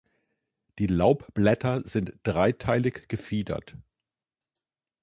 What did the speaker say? Die Laubblätter sind dreiteilig gefiedert.